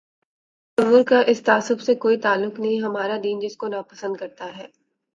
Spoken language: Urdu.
اس تصور کا اس تعصب سے کوئی تعلق نہیں، ہمارا دین جس کو ناپسند کر تا ہے۔